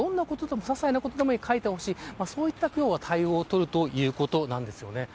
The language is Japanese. ささいなことでも書いてほしいそういった対応を取るということなんですよね。